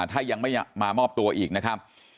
ถ้ายังไม่มามอบตัวอีกนะครับ